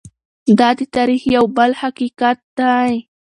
دا د تاریخ یو بل حقیقت دی.